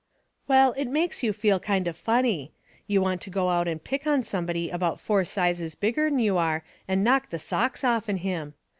Well, it makes you feel kind of funny. You want to go out and pick on somebody about four sizes bigger'n you are and knock the socks off'n him.